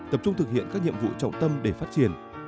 tập trung thực hiện các nhiệm vụ trọng tâm để phát triển